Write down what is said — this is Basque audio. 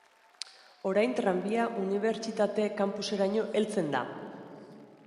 Orain tranbia unibertsitate-campuseraino heltzen da.